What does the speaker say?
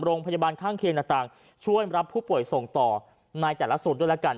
โรงพยาบาลข้างเคียงต่างช่วยรับผู้ป่วยส่งต่อในแต่ละสูตรด้วยแล้วกัน